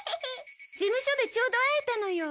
事務所でちょうど会えたのよ。